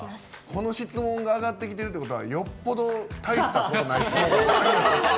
この質問が上がってきてるってことはよっぽど大したことない質問ばっかり。